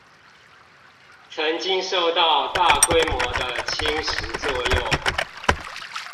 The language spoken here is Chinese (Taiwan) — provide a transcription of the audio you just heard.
曾經受到大規模的侵蝕作用